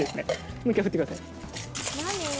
もう一回振ってください。